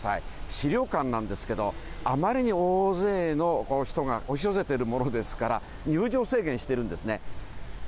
資料館なんですけど、あまりに大勢の人が押し寄せてるものですから、入場制限してるんですね。